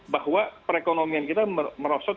bahwa perekonomian kita merosot